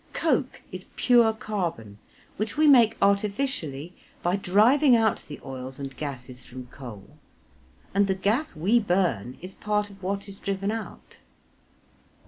Coke is pure carbon, which we make artificially by driving out the oils and gases from coal, and the gas we burn is part of what is driven out.